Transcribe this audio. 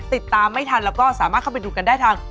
ติดตามไม่ทันแล้วก็สามารถเข้าไปดูกันได้ทาง